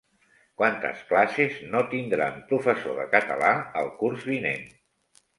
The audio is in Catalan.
Quantes classes no tindran professor de català el curs vinent?